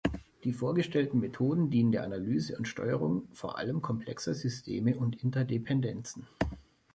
Die vorgestellten Methoden dienen der Analyse und Steuerung vor allem komplexer Systeme und Interdependenzen.